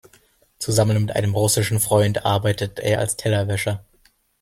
Zusammen mit einem russischen Freund arbeitet er als Tellerwäscher.